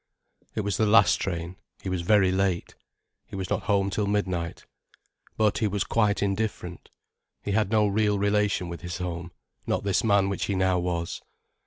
It was the last train, he was very late. He was not home till midnight. But he was quite indifferent. He had no real relation with his home, not this man which he now was.